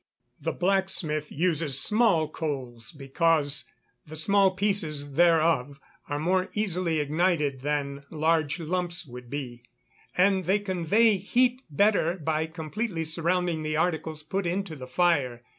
_ The blacksmith uses small coals because the small pieces thereof are more easily ignited than large lumps would be, and they convey heat better by completely surrounding the articles put into the fire.